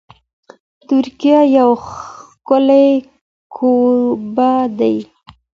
ترکیه یو ښکلی کوربه دی.